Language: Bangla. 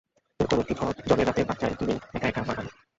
এ-রকম একটি ঝড়-জলের রাতে বাচ্চা একটি মেয়ে এক-একা বাগানে।